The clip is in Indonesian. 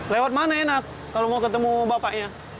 lewat mana enak kalau mau ketemu bapaknya